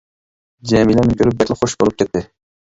جەمىلە مېنى كۆرۈپ بەكلا خۇش بولۇپ كەتتى.